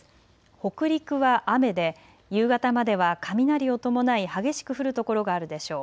北陸は雨で夕方までは雷を伴い激しく降る所があるでしょう。